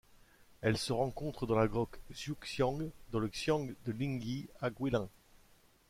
Elle se rencontre dans la grotte Shuixian dans le xian de Lingui à Guilin.